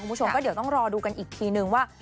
คุณผู้ชมก็เดี๋ยวต้องรอดูกันอีกทีนึงว่า